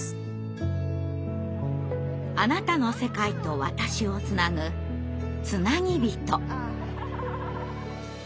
あなたの世界と私をつなぐつなぎびと。